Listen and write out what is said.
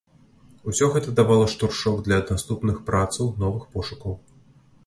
Усё гэта давала штуршок для наступных працаў, новых пошукаў.